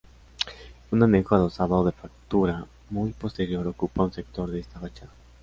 Un anejo adosado de factura muy posterior ocupa un sector de esta fachada.